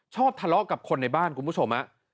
ทะเลาะกับคนในบ้านคุณผู้ชม